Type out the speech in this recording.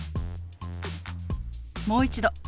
もう一度。